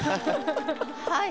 はい。